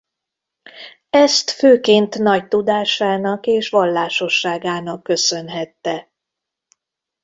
Ezt főként nagy tudásának és vallásosságának köszönhette.